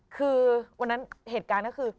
คือวันนั้นเหตุการณ์ก็คือ